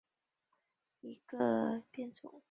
长果西北蔷薇为蔷薇科蔷薇属下的一个变种。